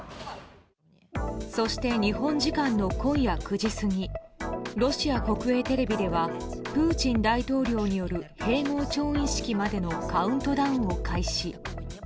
そして日本時間の今夜９時過ぎロシア国営テレビではプーチン大統領による併合調印式までのカウントダウンを開始。